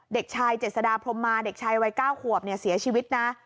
เด็กชายเจษฎาพรมมาเด็กชายวัย๙ขวบเสียชีวิตนะ